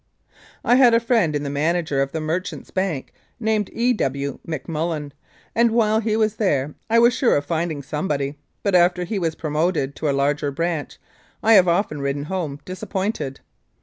I had a friend in the manager of the Merchants' Bank, named E. W. McMullen, and while he was there I was sure of find ing somebody, but after he was promoted to a larger branch I have often ridden home disappointed.